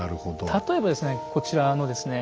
例えばですねこちらのですね